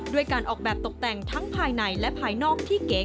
ด้วยการออกแบบตกแต่งทั้งภายในและภายนอกที่เก๋